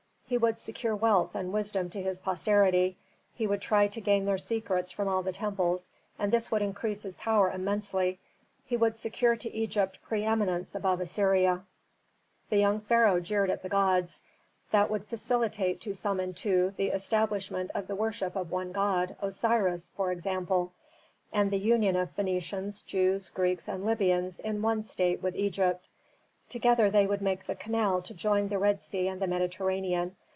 He would secure wealth and wisdom to his posterity. He would try to gain their secrets from all the temples and this would increase his power immensely; he would secure to Egypt preëminence above Assyria. The young pharaoh jeered at the gods, that would facilitate to Samentu the establishment of the worship of one god, Osiris, for example; and the union of Phœnicians, Jews, Greeks, and Libyans in one state with Egypt. Together they would make the canal to join the Red Sea and the Mediterranean.